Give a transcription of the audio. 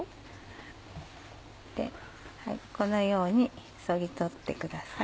このようにそぎ取ってください。